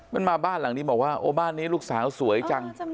มันมาบ้านหลังนี้บอกว่าโอ้บ้านนี้ลูกสาวสวยจัง